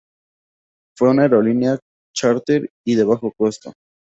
Fue una aerolínea chárter y de bajo costo.